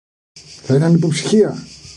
Θα ήταν λιποταξία!